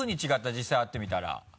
実際会ってみたら。